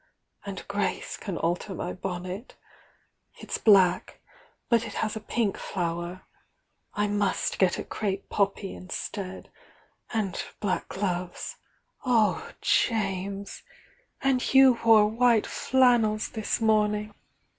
And Grace can alter my bonnet; it's black, but it has a pink flower,— I must get a crape poppy instead, and black gloves,— Oh, James!— and you wore white flannels this morning!